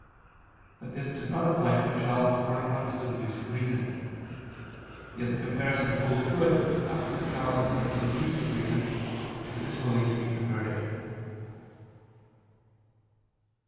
But this does not apply to a child before it comes to the use of reason: yet the comparison holds good after the child has come to the use of reason, if it is willing to be converted.